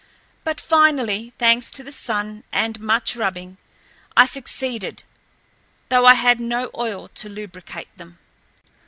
But finally, thanks to the sun and much rubbing, I succeeded, though I had no oil to lubricate them.